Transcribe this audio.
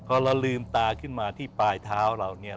พอเราลืมตาขึ้นมาที่ปลายเท้าเราเนี่ย